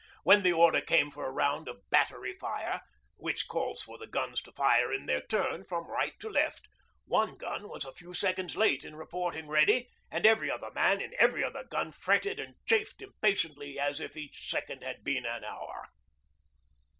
When the order came for a round of 'Battery fire' which calls for the guns to fire in their turn from right to left one gun was a few seconds late in reporting ready, and every other man at every other gun fretted and chafed impatiently as if each second had been an hour.